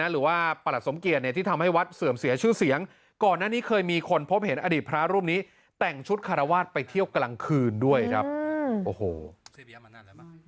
นักข่าวรายงานด้วยว่าคุณผู้ชมนะ